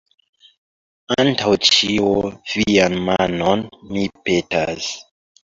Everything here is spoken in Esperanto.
Antaŭ ĉio, vian manon, mi, petas.